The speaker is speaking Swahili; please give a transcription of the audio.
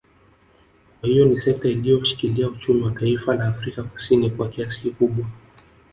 Kwa hiyo ni sekta iliyoushikila uchumi wa taifa la Afrika Kusini kwa kiasi kikubwa